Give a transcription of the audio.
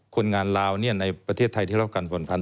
คนงานลาวนี่ในประเทศไทยที่รับการผลพันธุ์